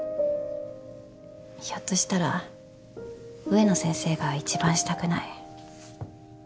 ひょっとしたら植野先生が一番したくない。